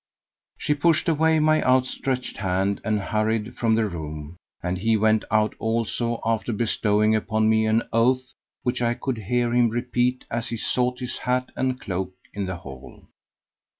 She pushed away my outstretched hand and hurried from the room; and he went out also after bestowing upon me an oath which I could hear him repeat as he sought his hat and cloak in the hall.